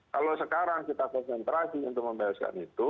kalau sekarang kita konsentrasi untuk membahayaskan itu